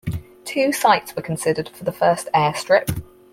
Two sites were considered for the first air strip.